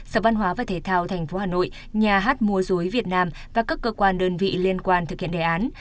sở văn hóa và thể thao thành phố hà nội nhà hát múa rối việt nam và các cơ quan đơn vị liên quan thực hiện đề án